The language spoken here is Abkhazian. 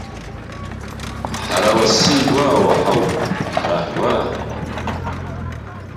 Ҳара лассы игәаауа ҳауп, ҳара ҳгәаар.